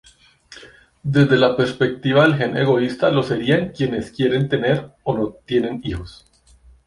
Desde la perspectiva del gen egoísta lo serían quienes quieren tener o tienen hijos.